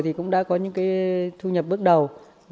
thì cũng đã có những cái thu nhập bước đầu